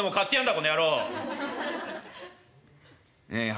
この野郎。